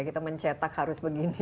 kita mencetak harus begini